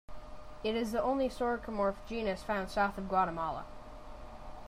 It is the only soricomorph genus found south of Guatemala.